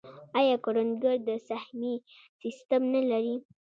آیا کروندګر د سهمیې سیستم نلري؟